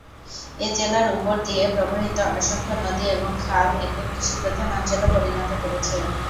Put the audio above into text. এ জেলার উপর দিয়ে প্রবাহিত অসংখ্য নদী এবং খাল একে কৃষিপ্রধান অঞ্চলে পরিণত করেছে।